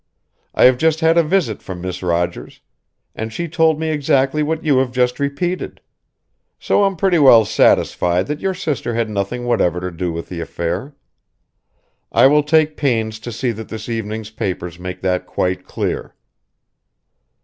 I have just had a visit from Miss Rogers, and she told me exactly what you have just repeated; so I'm pretty well satisfied that your sister had nothing whatever to do with the affair. I will take pains to see that this evening's papers make that quite clear."